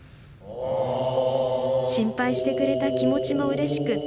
心配してくれた気持ちもうれしく